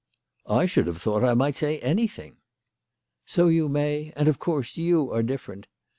" I should have thought I might say anything." " So you may ; and of course you are different.